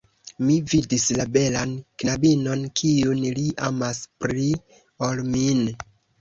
Mi vidis la belan knabinon, kiun li amas pli ol min!